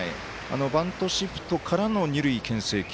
バントシフトからの二塁けん制球。